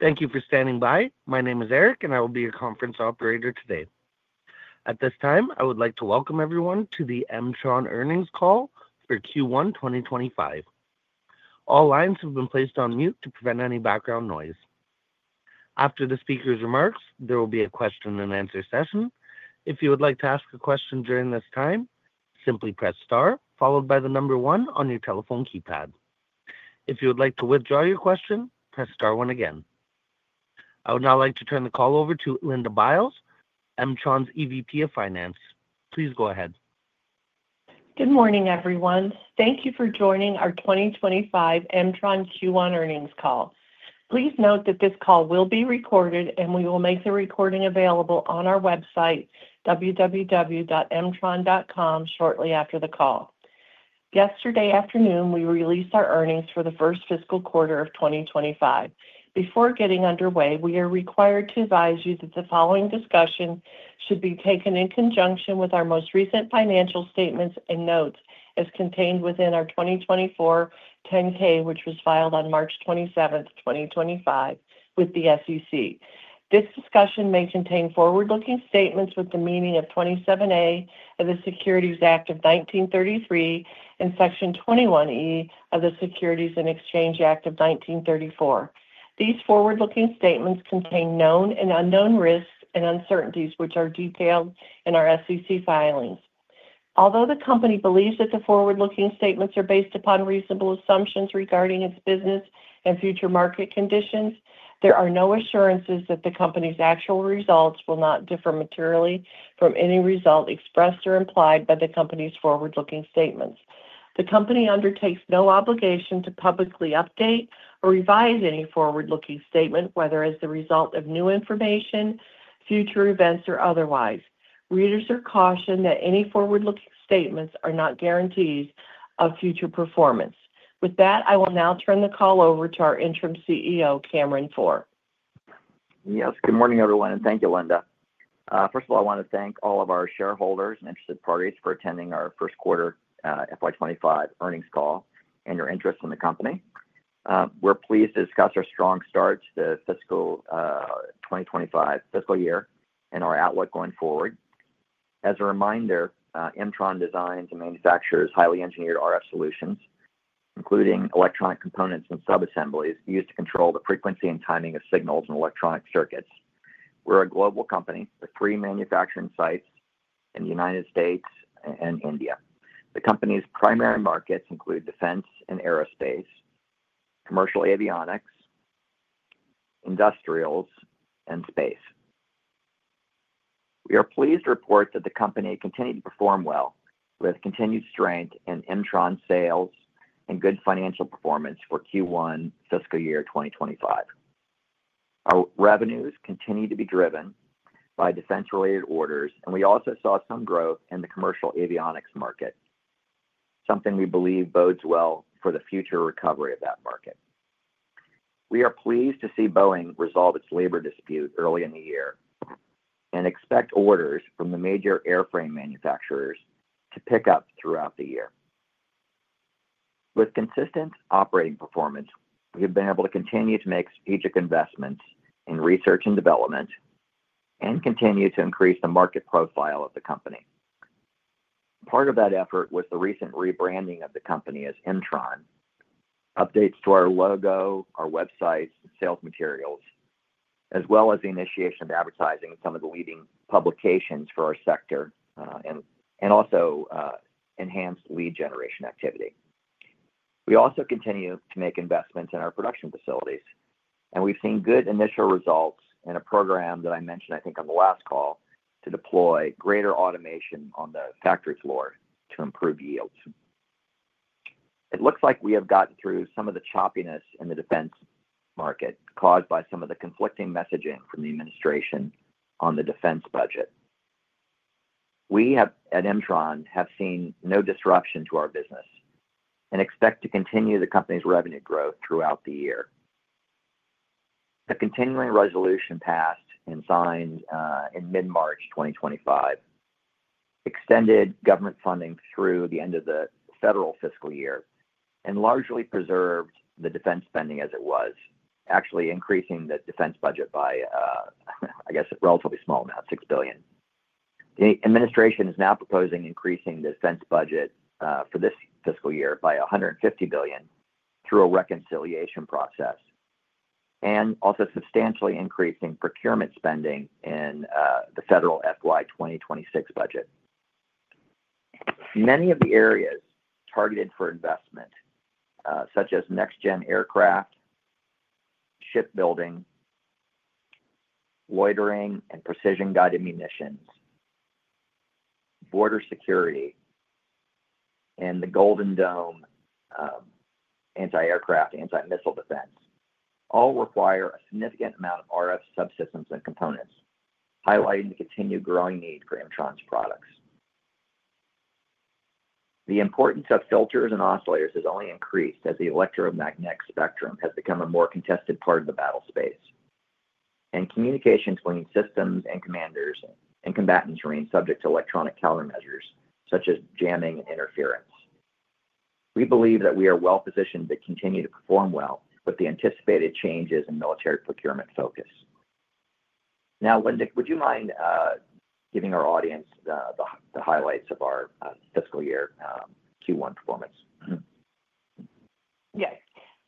Thank you for standing by. My name is Eric, and I will be your conference operator today. At this time, I would like to welcome everyone to the Mtron earnings call for Q1 2025. All lines have been placed on mute to prevent any background noise. After the speaker's remarks, there will be a question-and-answer session. If you would like to ask a question during this time, simply press star, followed by the number one on your telephone keypad. If you would like to withdraw your question, press star one again. I would now like to turn the call over to Linda Biles, Mtron's EVP of Finance. Please go ahead. Good morning, everyone. Thank you for joining our 2025 Mtron Q1 earnings call. Please note that this call will be recorded, and we will make the recording available on our website, www.mtron.com, shortly after the call. Yesterday afternoon, we released our earnings for the first fiscal quarter of 2025. Before getting underway, we are required to advise you that the following discussion should be taken in conjunction with our most recent financial statements and notes as contained within our 2024 10-K, which was filed on March 27th, 2025, with the SEC. This discussion may contain forward-looking statements within the meaning of 27-A of the Securities Act of 1933 and Section 21-E of the Securities and Exchange Act of 1934. These forward-looking statements contain known and unknown risks and uncertainties, which are detailed in our SEC filings. Although the company believes that the forward-looking statements are based upon reasonable assumptions regarding its business and future market conditions, there are no assurances that the company's actual results will not differ materially from any result expressed or implied by the company's forward-looking statements. The company undertakes no obligation to publicly update or revise any forward-looking statement, whether as the result of new information, future events, or otherwise. Readers are cautioned that any forward-looking statements are not guarantees of future performance. With that, I will now turn the call over to our Interim CEO, Cameron Pforr. Yes. Good morning, everyone, and thank you, Linda. First of all, I want to thank all of our shareholders and interested parties for attending our first quarter FY 2025 earnings call and your interest in the company. We're pleased to discuss our strong start to the 2025 fiscal year and our outlook going forward. As a reminder, Mtron designs and manufactures highly engineered RF solutions, including electronic components and subassemblies used to control the frequency and timing of signals and electronic circuits. We're a global company with three manufacturing sites in the United States and India. The company's primary markets include defense and aerospace, commercial avionics, industrials, and space. We are pleased to report that the company continued to perform well, with continued strength in Mtron sales and good financial performance for Q1 fiscal year 2025. Our revenues continue to be driven by defense-related orders, and we also saw some growth in the commercial avionics market, something we believe bodes well for the future recovery of that market. We are pleased to see Boeing resolve its labor dispute early in the year and expect orders from the major airframe manufacturers to pick up throughout the year. With consistent operating performance, we have been able to continue to make strategic investments in research and development and continue to increase the market profile of the company. Part of that effort was the recent rebranding of the company as Mtron, updates to our logo, our website, and sales materials, as well as the initiation of advertising in some of the leading publications for our sector and also enhanced lead generation activity. We also continue to make investments in our production facilities, and we've seen good initial results in a program that I mentioned, I think, on the last call to deploy greater automation on the factory floor to improve yields. It looks like we have gotten through some of the choppiness in the defense market caused by some of the conflicting messaging from the administration on the defense budget. We at Mtron have seen no disruption to our business and expect to continue the company's revenue growth throughout the year. The continuing resolution passed and signed in mid-March 2025 extended government funding through the end of the federal fiscal year and largely preserved the defense spending as it was, actually increasing the defense budget by, I guess, a relatively small amount, $6 billion. The administration is now proposing increasing the defense budget for this fiscal year by $150 billion through a reconciliation process and also substantially increasing procurement spending in the federal fiscal year 2026 budget. Many of the areas targeted for investment, such as next-gen aircraft, shipbuilding, loitering and precision-guided munitions, border security, and the Golden Dome anti-aircraft, anti-missile defense, all require a significant amount of RF subsystems and components, highlighting the continued growing need for Mtron's products. The importance of filters and oscillators has only increased as the electromagnetic spectrum has become a more contested part of the battlespace, and communications between systems and commanders and combatants remain subject to electronic countermeasures such as jamming and interference. We believe that we are well-positioned to continue to perform well with the anticipated changes in military procurement focus. Now, Linda, would you mind giving our audience the highlights of our fiscal year Q1 performance? Yes.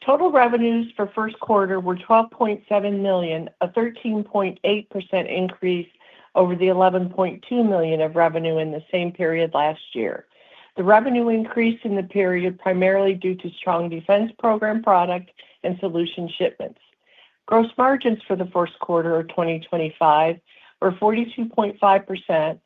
Total revenues for first quarter were $12.7 million, a 13.8% increase over the $11.2 million of revenue in the same period last year. The revenue increased in the period primarily due to strong defense program product and solution shipments. Gross margins for the first quarter of 2025 were 42.5%,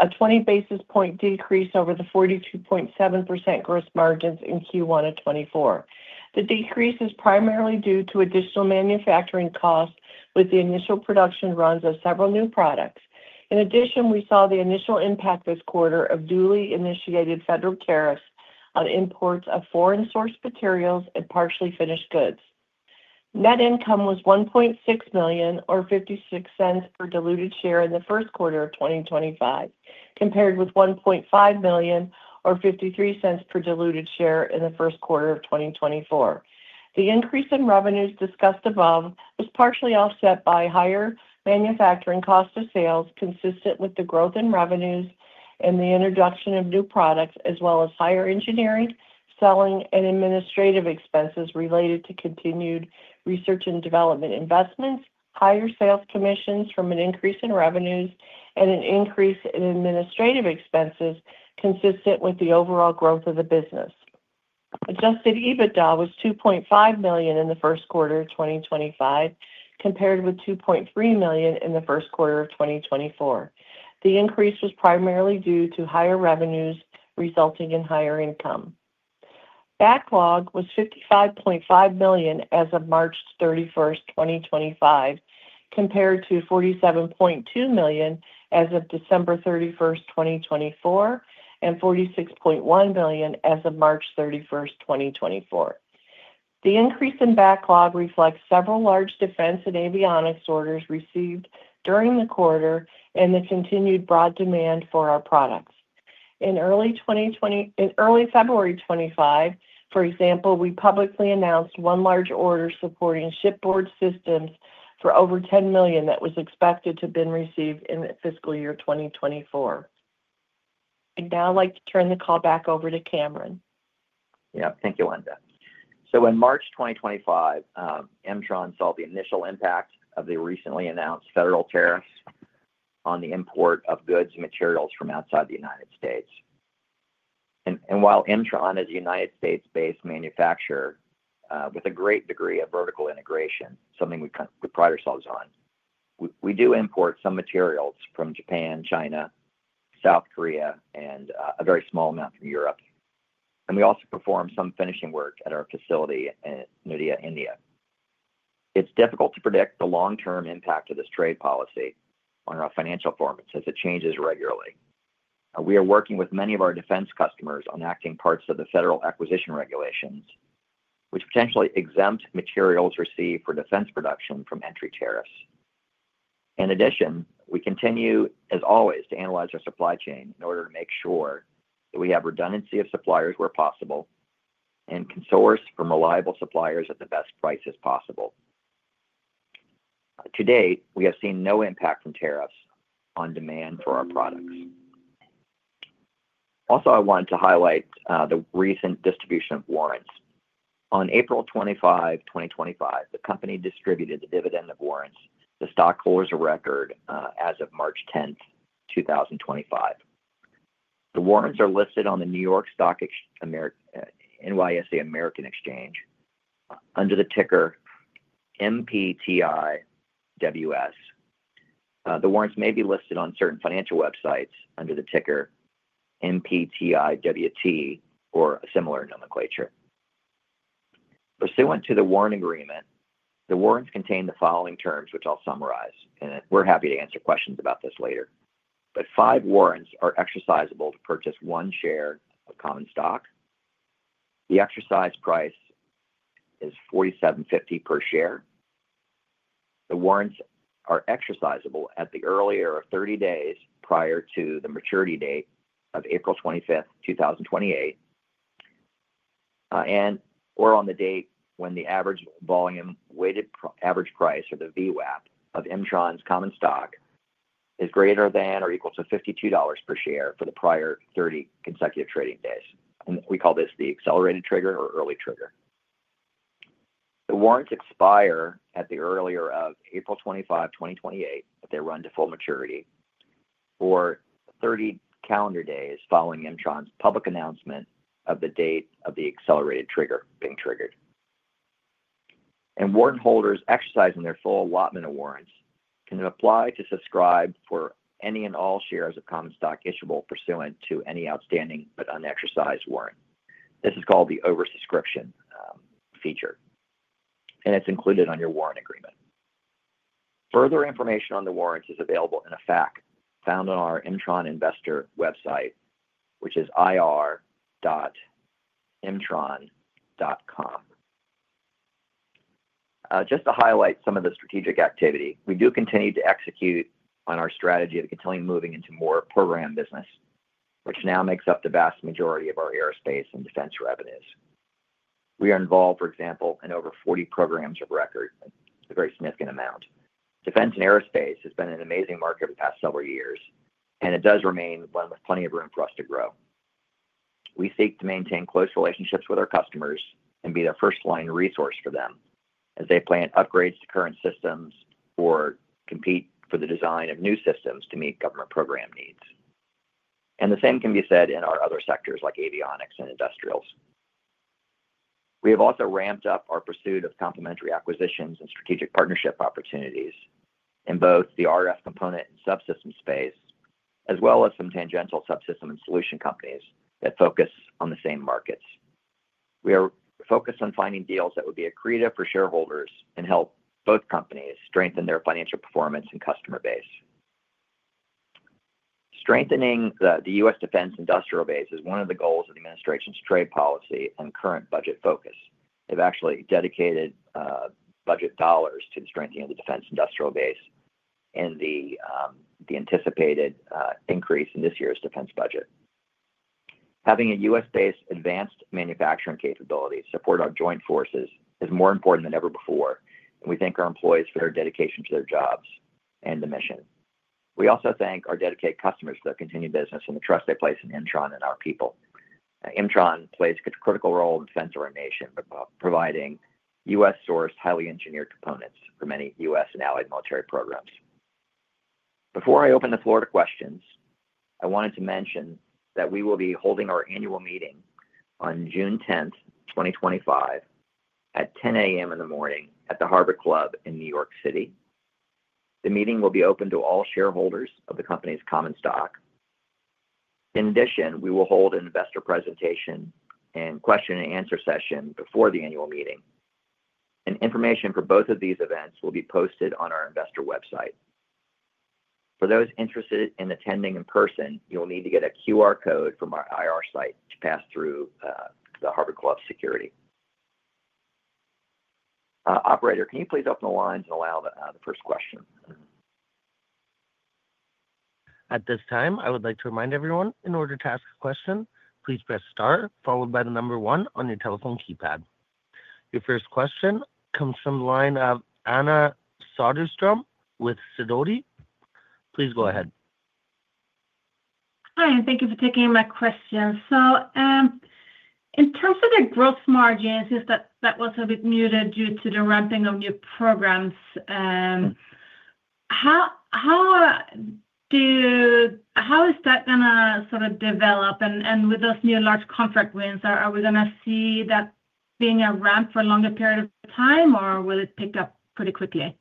a 20 basis point decrease over the 42.7% gross margins in Q1 of 2024. The decrease is primarily due to additional manufacturing costs with the initial production runs of several new products. In addition, we saw the initial impact this quarter of duly initiated federal tariffs on imports of foreign-sourced materials and partially finished goods. Net income was $1.6 million, or $0.56 per diluted share in the first quarter of 2025, compared with $1.5 million, or $0.53 per diluted share in the first quarter of 2024. The increase in revenues discussed above was partially offset by higher manufacturing cost of sales consistent with the growth in revenues and the introduction of new products, as well as higher engineering, selling, and administrative expenses related to continued research and development investments, higher sales commissions from an increase in revenues, and an increase in administrative expenses consistent with the overall growth of the business. Adjusted EBITDA was $2.5 million in the first quarter of 2025, compared with $2.3 million in the first quarter of 2024. The increase was primarily due to higher revenues resulting in higher income. Backlog was $55.5 million as of March 31st, 2025, compared to $47.2 million as of December 31st, 2024, and $46.1 million as of March 31st, 2024. The increase in backlog reflects several large defense and avionics orders received during the quarter and the continued broad demand for our products. In early February 2025, for example, we publicly announced one large order supporting shipboard systems for over $10 million that was expected to have been received in the fiscal year 2024. I'd now like to turn the call back over to Cameron. Yeah. Thank you, Linda. In March 2025, Mtron saw the initial impact of the recently announced federal tariffs on the import of goods and materials from outside the United States. While Mtron is a United States-based manufacturer with a great degree of vertical integration, something we pride ourselves on, we do import some materials from Japan, China, South Korea, and a very small amount from Europe. We also perform some finishing work at our facility in India. It's difficult to predict the long-term impact of this trade policy on our financial performance as it changes regularly. We are working with many of our defense customers on enacting parts of the federal acquisition regulations, which potentially exempt materials received for defense production from entry tariffs. In addition, we continue, as always, to analyze our supply chain in order to make sure that we have redundancy of suppliers where possible and consorts from reliable suppliers at the best prices possible. To date, we have seen no impact from tariffs on demand for our products. Also, I wanted to highlight the recent distribution of warrants. On April 25, 2025, the company distributed the dividend of warrants to stockholders of record as of March 10th, 2025. The warrants are listed on the New York Stock NYSE American Exchange under the ticker MPTIWS. The warrants may be listed on certain financial websites under the ticker MPTIWT or a similar nomenclature. Pursuant to the warrant agreement, the warrants contain the following terms, which I'll summarize, and we're happy to answer questions about this later. But five warrants are exercisable to purchase one share of common stock. The exercise price is $47.50 per share. The warrants are exercisable at the earlier of 30 days prior to the maturity date of April 25th, 2028, or on the date when the average volume weighted average price, or the VWAP, of Mtron's common stock is greater than or equal to $52 per share for the prior 30 consecutive trading days. We call this the accelerated trigger or early trigger. The warrants expire at the earlier of April 25, 2028, if they run to full maturity, or 30 calendar days following Mtron's public announcement of the date of the accelerated trigger being triggered. Warrant holders exercising their full allotment of warrants can apply to subscribe for any and all shares of common stock issuable pursuant to any outstanding but un-exercised warrant. This is called the oversubscription feature, and it's included on your warrant agreement. Further information on the warrants is available in a FAQ found on our Mtron investor website, which is ir.mtron.com. Just to highlight some of the strategic activity, we do continue to execute on our strategy of continuing moving into more program business, which now makes up the vast majority of our aerospace and defense revenues. We are involved, for example, in over 40 programs of record, a very significant amount. Defense and aerospace has been an amazing market over the past several years, and it does remain one with plenty of room for us to grow. We seek to maintain close relationships with our customers and be their first-line resource for them as they plan upgrades to current systems or compete for the design of new systems to meet government program needs. The same can be said in our other sectors like avionics and industrials. We have also ramped up our pursuit of complementary acquisitions and strategic partnership opportunities in both the RF component and subsystem space, as well as some tangential subsystem and solution companies that focus on the same markets. We are focused on finding deals that would be accretive for shareholders and help both companies strengthen their financial performance and customer base. Strengthening the U.S. defense industrial base is one of the goals of the administration's trade policy and current budget focus. They have actually dedicated budget dollars to the strengthening of the defense industrial base and the anticipated increase in this year's defense budget. Having a U.S.-based advanced manufacturing capability to support our joint forces is more important than ever before, and we thank our employees for their dedication to their jobs and the mission. We also thank our dedicated customers for their continued business and the trust they place in Mtron and our people. Mtron plays a critical role in the defense of our nation by providing U.S.-sourced, highly engineered components for many U.S. and allied military programs. Before I open the floor to questions, I wanted to mention that we will be holding our annual meeting on June 10th, 2025, at 10:00 A.M. at the Harbor Club in New York City. The meeting will be open to all shareholders of the company's common stock. In addition, we will hold an investor presentation and question-and-answer session before the annual meeting. Information for both of these events will be posted on our investor website. For those interested in attending in person, you'll need to get a QR code from our IR site to pass through the Harbor Club security. Operator, can you please open the lines and allow the first question? At this time, I would like to remind everyone, in order to ask a question, please press star, followed by the number one on your telephone keypad. Your first question comes from the line of Anja Soderstrom with Sidoti. Please go ahead. Hi. Thank you for taking my question. In terms of the gross margins, since that was a bit muted due to the ramping of new programs, how is that going to sort of develop? With those new large contract wins, are we going to see that being a ramp for a longer period of time, or will it pick up pretty quickly?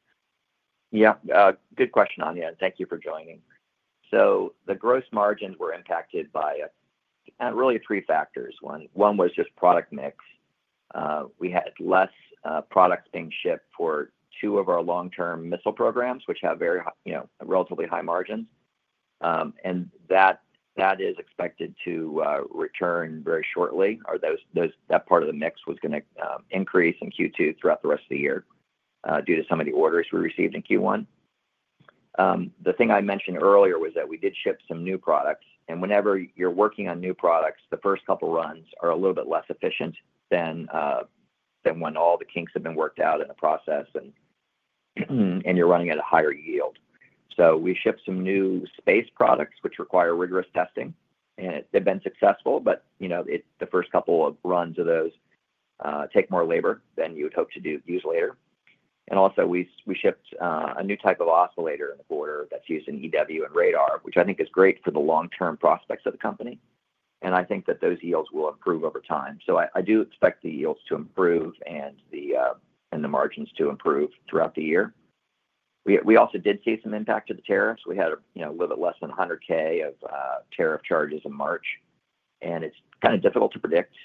Yeah. Good question, Anja. Thank you for joining. The gross margins were impacted by really three factors. One was just product mix. We had less products being shipped for two of our long-term missile programs, which have relatively high margins. That is expected to return very shortly. That part of the mix is going to increase in Q2 throughout the rest of the year due to some of the orders we received in Q1. The thing I mentioned earlier was that we did ship some new products. Whenever you're working on new products, the first couple of runs are a little bit less efficient than when all the kinks have been worked out in the process and you're running at a higher yield. We shipped some new space products, which require rigorous testing. They have been successful, but the first couple of runs of those take more labor than you would hope to use later. Also, we shipped a new type of oscillator in the quarter that is used in EW and radar, which I think is great for the long-term prospects of the company. I think that those yields will improve over time. I do expect the yields to improve and the margins to improve throughout the year. We also did see some impact to the tariffs. We had a little bit less than $100,000 of tariff charges in March. It is kind of difficult to predict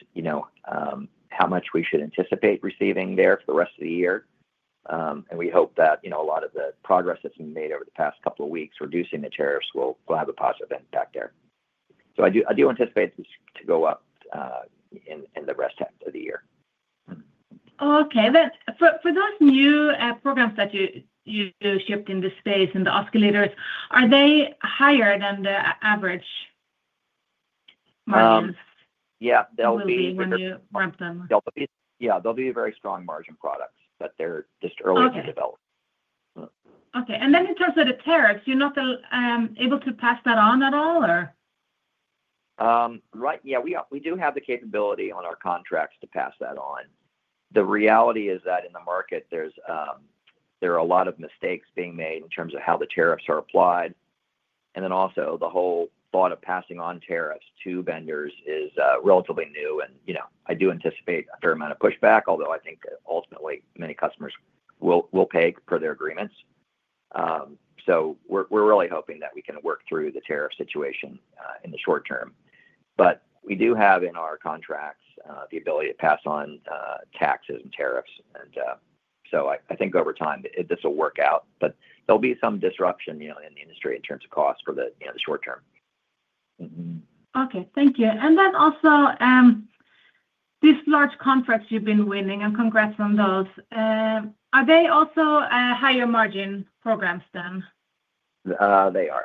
how much we should anticipate receiving there for the rest of the year. We hope that a lot of the progress that has been made over the past couple of weeks reducing the tariffs will have a positive impact there. I do anticipate this to go up in the rest of the year. Okay. For those new programs that you shipped in the space and the oscillators, are they higher than the average margins? Yeah. They'll be very strong margin products, but they're just early to develop. Okay. In terms of the tariffs, you're not able to pass that on at all, or? Yeah. We do have the capability on our contracts to pass that on. The reality is that in the market, there are a lot of mistakes being made in terms of how the tariffs are applied. The whole thought of passing on tariffs to vendors is relatively new. I do anticipate a fair amount of pushback, although I think ultimately many customers will pay per their agreements. We are really hoping that we can work through the tariff situation in the short term. We do have in our contracts the ability to pass on taxes and tariffs. I think over time, this will work out. There will be some disruption in the industry in terms of cost for the short term. Okay. Thank you. Also, these large contracts you've been winning, and congrats on those, are they also higher margin programs then? They are.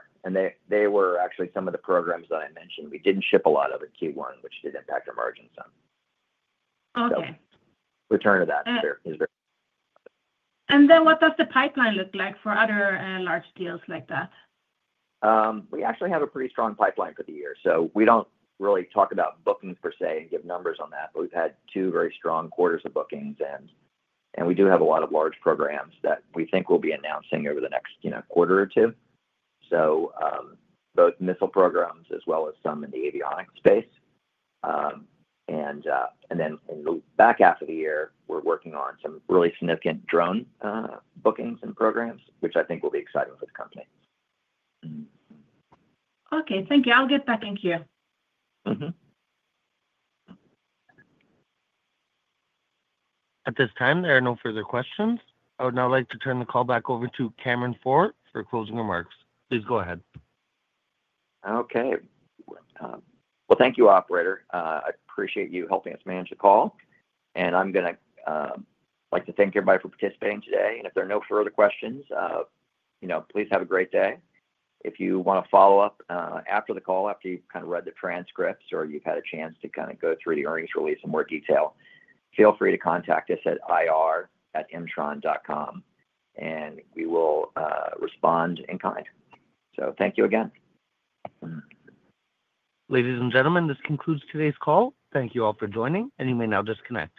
They were actually some of the programs that I mentioned. We did not ship a lot of it in Q1, which did impact our margins then. Return to that is very positive. What does the pipeline look like for other large deals like that? We actually have a pretty strong pipeline for the year. We do not really talk about bookings per se and give numbers on that, but we have had two very strong quarters of bookings. We do have a lot of large programs that we think we will be announcing over the next quarter or two. Both missile programs as well as some in the avionics space. Back after the year, we are working on some really significant drone bookings and programs, which I think will be exciting for the company. Okay. Thank you. I'll get back in here. At this time, there are no further questions. I would now like to turn the call back over to Cameron Pforr for closing remarks. Please go ahead. Okay. Thank you, Operator. I appreciate you helping us manage the call. I would like to thank everybody for participating today. If there are no further questions, please have a great day. If you want to follow up after the call, after you have kind of read the transcripts or you have had a chance to kind of go through the earnings release in more detail, feel free to contact us at ir@mtron.com. We will respond in kind. Thank you again. Ladies and gentlemen, this concludes today's call. Thank you all for joining, and you may now disconnect.